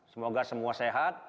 semoga semua sehat